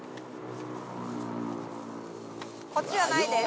こっちはないです。